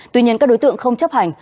tuy nhiên các đối tượng không chấp hành